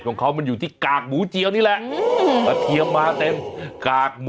คนงานไปรีวิวเป็นบอกว่าอร่อยมาก